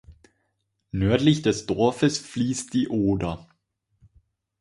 Nördlich des Dorfes fließt die Oder.